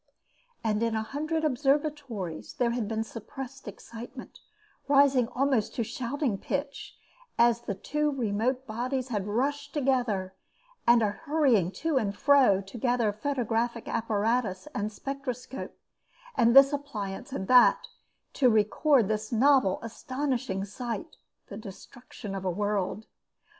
And in a hundred observatories there had been suppressed excitement, rising almost to shouting pitch, as the two remote bodies had rushed together, and a hurrying to and fro, to gather photographic apparatus and spectroscope, and this appliance and that, to record this novel astonishing sight, the destruction of a world.